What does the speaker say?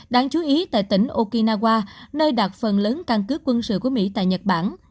đáng chú ý tại tỉnh okinawa nơi đặt phần lớn căn cứ quân sự của mỹ tại nhật bản